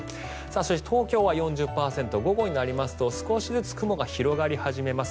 そして東京は４０％午後になりますと少しずつ雲が広がり始めます。